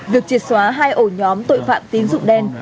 việc triệt xóa hai ổ nhóm tội phạm tín dụng đen